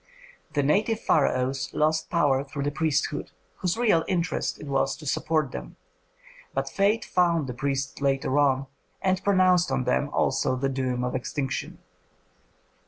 The native pharaohs lost power through the priesthood, whose real interest it was to support them; but fate found the priests later on, and pronounced on them also the doom of extinction.